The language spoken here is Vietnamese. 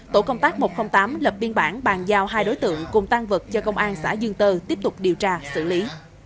tổ công tác một trăm linh tám lập biên bản bàn giao hai đối tượng cùng tan vật cho công an xã dương tơ tiếp tục điều tra xử lý